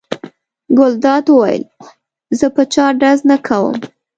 ګلداد وویل: زه په چا ډز نه کوم.